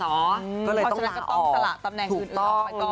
เพราะฉะนั้นก็ต้องสละตำแหน่งอื่นออกไปก่อน